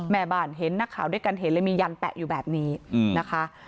แม่บ้านเห็นนักข่าวด้วยกันเห็นเลยมียันแปะอยู่แบบนี้นะคะ